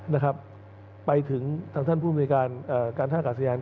นะครับไปถึงทางท่านผู้ชายการการท่าข่าวสยาน